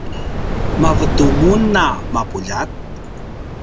mavetu mun a mapuljat?